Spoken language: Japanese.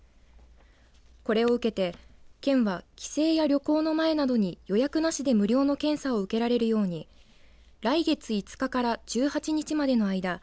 これを受けて県は帰省や旅行の前などに予約なしで無料の検査を受けられるように来月５日から１８日までの間